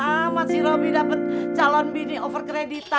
sama si robi dapet calon bini over kreditan